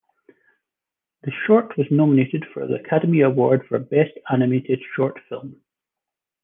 The short was nominated for the Academy Award for Best Animated Short Film.